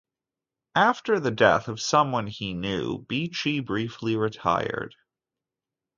After the death of someone he knew, Beachey briefly retired.